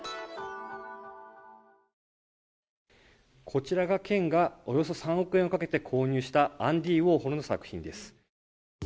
こちらが県がおよそ３億円をかけて購入したアンディ・ウォーホルの作品です。